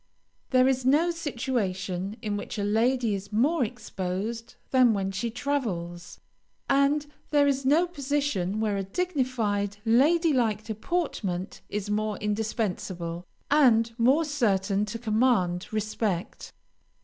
There is no situation in which a lady is more exposed than when she travels, and there is no position where a dignified, lady like deportment is more indispensable and more certain to command respect.